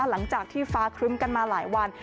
หลังจากที่ฟ้าครึ้มกันมาหลายวัน